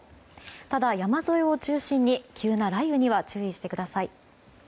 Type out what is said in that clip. ただ、山沿いを中心に急な雷雨にはご注意ください。